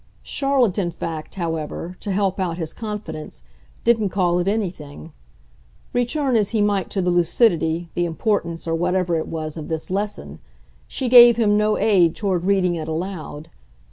Charlotte in fact, however, to help out his confidence, didn't call it anything; return as he might to the lucidity, the importance, or whatever it was, of this lesson, she gave him no aid toward reading it aloud.